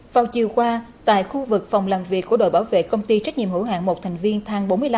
vào chiều qua tại khu vực phòng làm việc của đội bảo vệ công ty trách nhiệm hữu hạng một thành viên thang bốn mươi năm